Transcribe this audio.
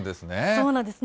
そうなんですね。